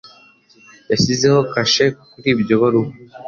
Yashyizeho kashe kuri iyo baruwa.